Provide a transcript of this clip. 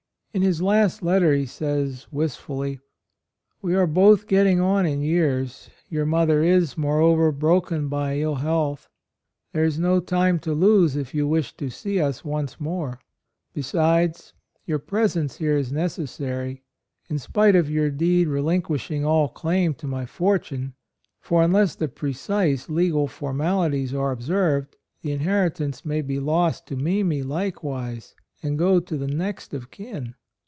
In his last letter he says, wistfully: "We are both getting on in years; your mother is, moreover, broken by ill health. ... There is no time to lose if you wish to see us once more. Besides, your presence here is necessary, in spite of your deed relinquishing all claim to my fortune ; for un less the precise legal formalities are observed, the inheritance may be lost to Mimi likewise, and go to the next of kin."